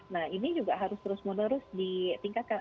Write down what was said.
nah ini juga harus terus menerus ditingkatkan